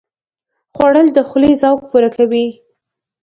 خوړل د خولې ذوق پوره کوي